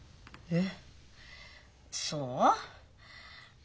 えっそう？